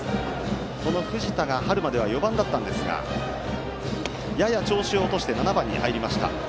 この藤田が春までは４番だったのですがやや調子を落として７番に入りました。